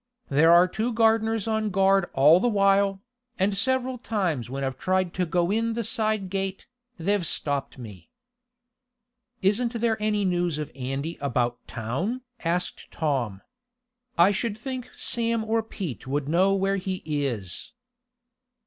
There are two gardeners on guard all the while, and several times when I've tried to go in the side gate, they've stopped me." "Isn't there any news of Andy about town?" asked Tom. "I should think Sam or Pete would know where he is."